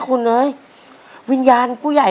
โปรดติดตามต่อไป